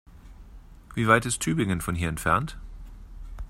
Wie weit ist Tübingen von hier entfernt?